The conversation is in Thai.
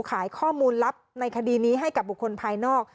ขายข้อมูลลับในคดีนี้ให้กับบุคคลภายนอก